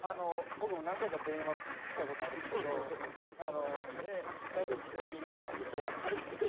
僕も何回か電話きたことあるんですけど大体「実家にいます」って言って終わっちゃうっていう。